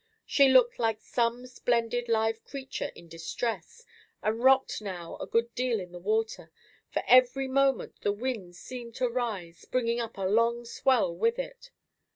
She looked like some splendid live creature in distress, and rocked now a good deal in the water, for every moment the wind seemed to rise, bringing up a long swell with it.